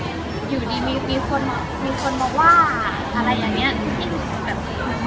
เพราะพี่ป๊อกก็สร้างบ้านอยู่ใช่่ะ